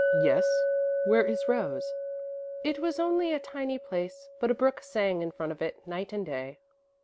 "Yes? Where is Rose?" "It was only a tiny place, but a brook sang in front of it, night and day."